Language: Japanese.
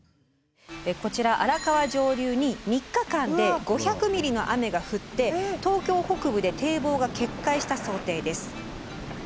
こちら荒川上流に３日間で５００ｍｍの雨が降って東京北部で堤防が決壊した想定です。